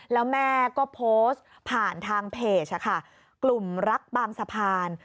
แล้วแม่ก็โพสต์ผ่านทางเพจกลุ่มรักบางสะพาน